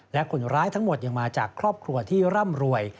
และคนร้ายทั้งหมดยังมาจากครอบครัวที่ร่ำรวย